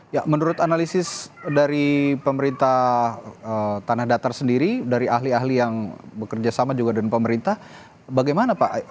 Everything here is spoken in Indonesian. ya menurut analisis dari pemerintah tanah datar sendiri dari ahli ahli yang bekerja sama juga dengan pemerintah bagaimana pak